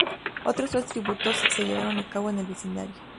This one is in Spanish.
Otros dos tributos se llevaron a cabo en el vecindario.